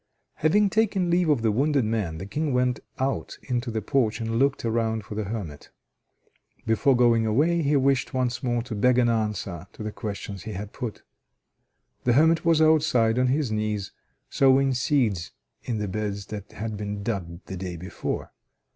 Having taken leave of the wounded man, the King went out into the porch and looked around for the hermit. Before going away he wished once more to beg an answer to the questions he had put. The hermit was outside, on his knees, sowing seeds in the beds that had been dug the day before.